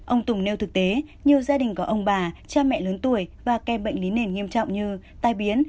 ông tùng nêu thực tế nhiều gia đình có ông bà cha mẹ lớn tuổi và kem bệnh lý nền nghiêm trọng như tai biến